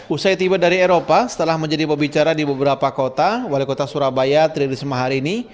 usai tiba dari eropa setelah menjadi pembicara di beberapa kota wali kota surabaya tri risma hari ini